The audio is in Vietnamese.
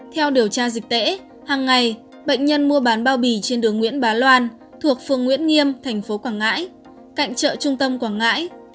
theo điều tra dịch tễ hàng ngày bệnh nhân mua bán bao bì trên đường nguyễn bá loan thuộc phường nguyễn nghiêm thành phố quảng ngãi cạnh chợ trung tâm quảng ngãi